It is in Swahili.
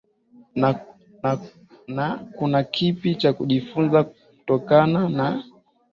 na kuna kipi cha kujifunza kutokana na